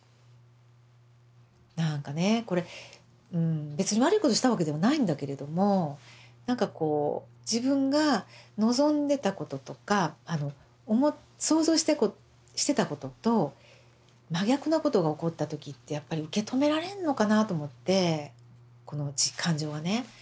なんかねこれ別に悪いことしたわけではないんだけれどもなんかこう自分が望んでたこととか想像してたことと真逆のことが起こった時ってやっぱり受け止められんのかなと思ってこの感情がね。